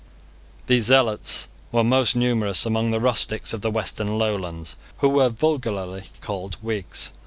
These zealots were most numerous among the rustics of the western lowlands, who were vulgarly called Whigs.